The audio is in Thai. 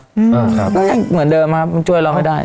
อืมครับก็ยังเหมือนเดิมครับมันช่วยเราไม่ได้